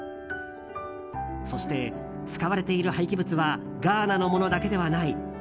そして使われている廃棄物はガーナのものだけではない。